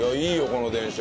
この電車。